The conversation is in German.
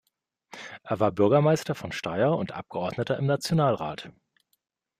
Er war Bürgermeister von Steyr und Abgeordneter im Nationalrat.